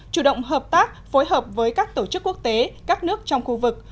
chủ động hợp tác phối hợp với các tổ chức quốc tế các nước trong khu vực